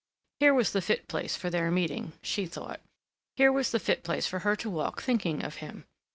Here was the fit place for their meeting, she thought; here was the fit place for her to walk thinking of him.